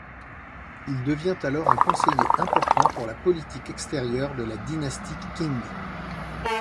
Il devient alors un conseiller important pour la politique extérieure de la dynastie Qing.